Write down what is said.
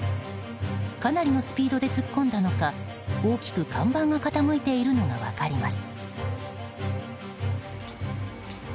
かなりのスピードで突っ込んだのか大きく看板が傾いているのが分かります。